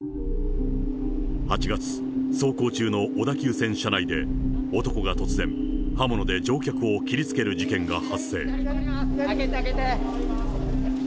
８月、走行中の小田急線車内で、男が突然、刃物で乗客を切りつける事件が発生。